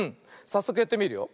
さっそくやってみるよ。